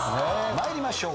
参りましょう。